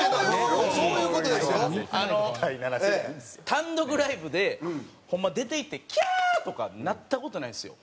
単独ライブでホンマ出ていって「キャー！」とかなった事ないんですよ。